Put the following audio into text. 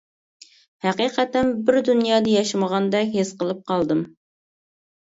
ھەقىقەتەن بىر دۇنيادا ياشىمىغاندەك ھېس قىلىپ قالدىم.